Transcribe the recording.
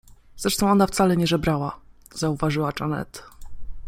— Zresztą ona wcale nie żebrała — zauważyła Janet.